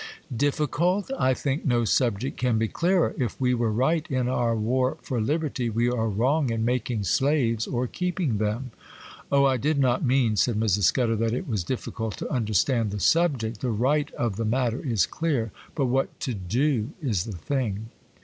'Difficult? I think no subject can be clearer. If we were right in our war for liberty, we are wrong in making slaves or keeping them.' 'Oh, I did not mean,' said Mrs. Scudder, 'that it was difficult to understand the subject; the right of the matter is clear, but what to do is the thing.